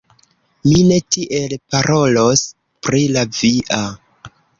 Mi ne tiel parolos pri la via.